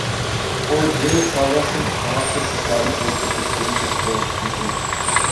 او جعل سازاں سُنڑ چھاپ کے سرکاری طور تے تقسیم تے فروخت کیتے ہن۔